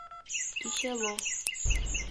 Quixelô